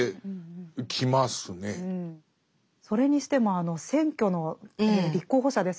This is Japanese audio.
それにしてもあの選挙の立候補者ですよね。